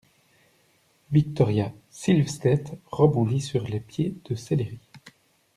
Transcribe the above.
Victoria Silvstedt rebondit sur les pieds de céleri.